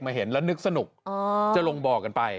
มาเห็นแล้วนึกสนุกจะลงนี่